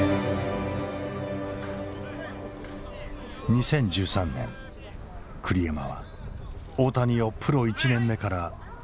２０１３年栗山は大谷をプロ１年目から二刀流で起用した。